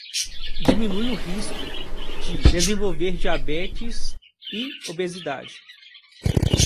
Diminui o risco de desenvolver diabetes e obesidade